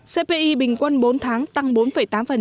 cpi bình quân bốn tháng tăng bốn tám so với tháng năm